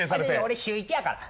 俺週１やから。